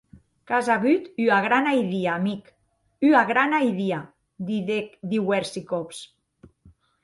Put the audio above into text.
Qu’as auut ua grana idia, amic, ua grana idia, didec diuèrsi còps.